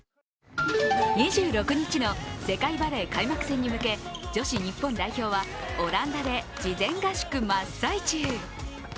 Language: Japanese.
２６日の世界バレー開幕戦に向け、女子日本代表はオランダで事前合宿真っ最中。